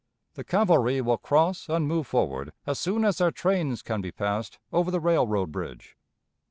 The cavalry will cross and move forward as soon as their trains can be passed over the railroad bridge.